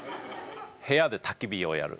部屋でたき火をやる。